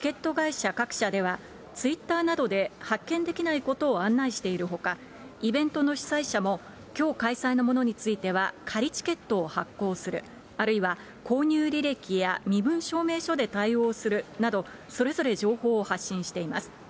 これを受け、チケット会社各社では、ツイッターなどで発券できないことを案内しているほか、イベントの主催者も、きょう開催のものについては、仮チケットを発行する、あるいは購入履歴や身分証明書で対応するなど、それぞれ情報を発信しています。